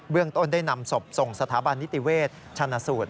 เรื่องต้นได้นำศพส่งสถาบันนิติเวชชนะสูตร